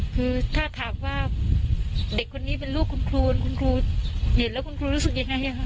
คือถ้าถามว่าเด็กคนนี้เป็นลูกคุณครูคุณครูเห็นแล้วคุณครูรู้สึกยังไง